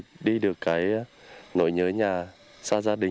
những tình cảm của bà con nhân dân nơi đây thì cũng giúp chúng tôi vơi điện